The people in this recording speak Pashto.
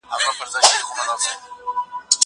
درسونه د زده کوونکي له خوا اورېدلي کيږي!.